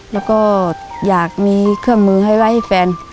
แล้วก็อยากมีเครื่องมือให้ไว้ให้แฟน